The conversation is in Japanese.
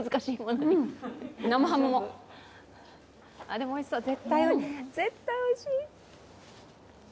でもおいしそう、絶対おいしい。